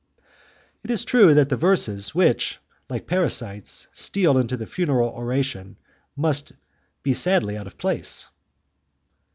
"Is it true that the verses which, like parasites, steal into a funeral oration, must be sadly out of place?"